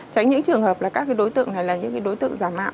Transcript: tránh những trường hợp là các đối tượng này là những đối tượng giả mạo